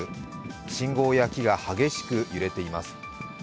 信号や木が激しく揺れています。